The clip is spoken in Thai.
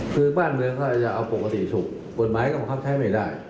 คือบ้านเมืองข้าจะเอาปกติศุกร์บทหมายต้องคับใช้ไม่ได้